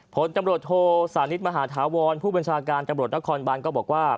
ผลตำรวจโทสานิทมหาธาวรผู้บัญชาการตำรวจนครบานก็บอกว่า